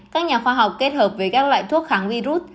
các nhà khoa học kết hợp với các loại thuốc kháng virus